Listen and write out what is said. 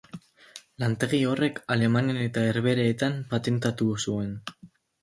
Lantegi horrek Alemanian eta Herbehereetan patentatu zuen.